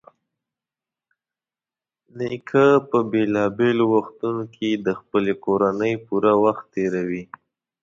نیکه په بېلابېلو وختونو کې د خپلې کورنۍ سره پوره وخت تېروي.